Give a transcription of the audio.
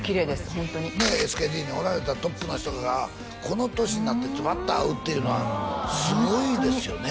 ホントにＳＫＤにおられたトップの人がこの年になって会うっていうのはすごいですよね